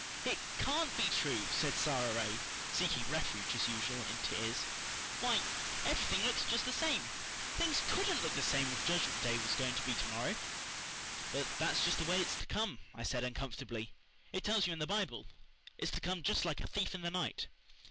"It CAN'T be true," said Sara Ray, seeking refuge, as usual, in tears. "Why, everything looks just the same. Things COULDN'T look the same if the Judgment Day was going to be to morrow." "But that's just the way it's to come," I said uncomfortably. "It tells you in the Bible. It's to come just like a thief in the night."